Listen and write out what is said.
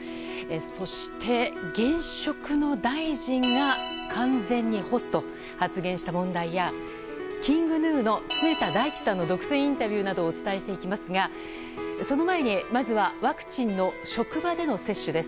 そして、現職の大臣が完全に干すと発言した問題やＫｉｎｇＧｎｕの常田大希さんの独占インタビューなどをお伝えしていきますがその前に、まずはワクチンの職場での接種です。